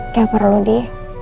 gak perlu di